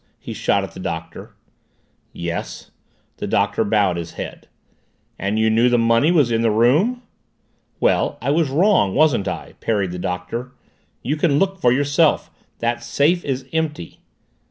he shot at the Doctor. "Yes." The Doctor bowed his head. "And you knew the money was in the room?" "Well, I was wrong, wasn't I?" parried the Doctor. "You can look for yourself. That safe is empty."